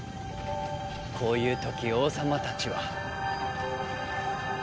こういう時王様たちは。